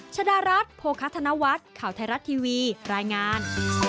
ชดารัฐโภคธนวัฒน์ข่าวไทยรัฐทีวีรายงาน